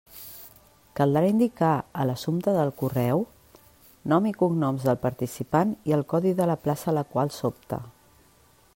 Caldrà indicar a l'assumpte del correu: nom i cognoms del participant i el codi de la plaça a la qual s'opta.